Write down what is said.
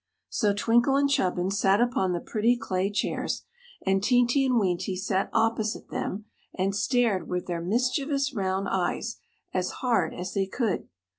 So Twinkle and Chubbins sat upon the pretty clay chairs, and Teenty and Weenty sat opposite them and stared with their mischievous round eyes as hard as they could.